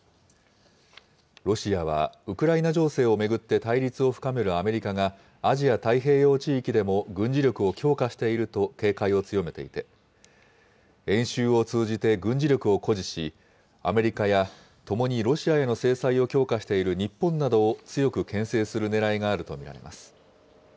ロシアはウクライナ情勢を巡って、対立を深めるアメリカがアジア太平洋地域でも軍事力を強化していると警戒を強めていて、演習を通じて軍事力を誇示し、アメリカや、ともにロシアへの制裁を強化している日本などを、強くけん制するねらいがあると見られます。